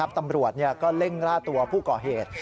ตำรวจก็เร่งล่าตัวผู้ก่อเหตุ